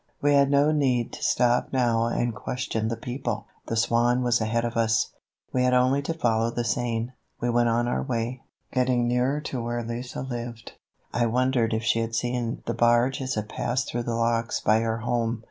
We had no need to stop now and question the people. The Swan was ahead of us. We had only to follow the Seine. We went on our way, getting nearer to where Lise lived. I wondered if she had seen the barge as it passed through the locks by her home.